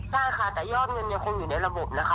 ใช่ค่ะแต่ยอดเงินยังคงอยู่ในระบบนะคะ